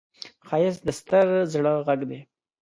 ښایست د ستر زړه غږ دی